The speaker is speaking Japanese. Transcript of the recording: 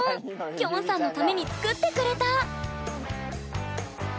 きょんさんのために作ってくれた！